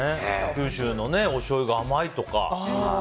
九州のおしょうゆが甘いとか。